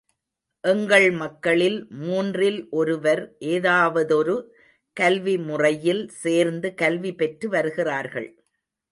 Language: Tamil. எங்கள் மக்களில் மூன்றில் ஒருவர் ஏதாவதொரு கல்வி முறையில் சேர்ந்து கல்வி பெற்று வருகிறார்கள்.